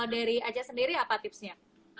nah kalo dari aja sendiri apa tipsnya